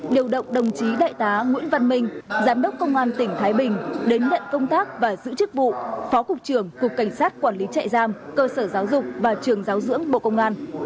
điều động đồng chí đại tá nguyễn văn minh giám đốc công an tỉnh thái bình đến nhận công tác và giữ chức vụ phó cục trưởng cục cảnh sát quản lý trại giam cơ sở giáo dục và trường giáo dưỡng bộ công an